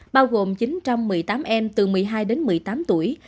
bao gồm chín trăm một mươi tám em từ một mươi hai đến một mươi tám tuổi